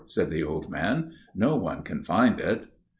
said the old man. "No one can find it."